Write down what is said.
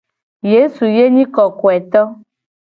Yesu ye nyi kokoeto.